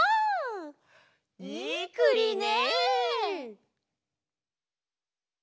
いいくりね！